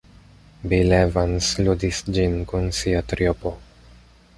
Bill Evans ludis ĝin kun sia triopo.